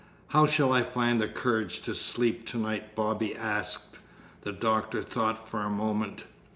"How shall I find the courage to sleep to night?" Bobby asked. The doctor thought for a moment.